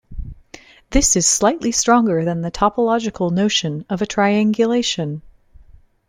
This is slightly stronger than the topological notion of a triangulation.